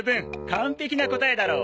完璧な答えだろ。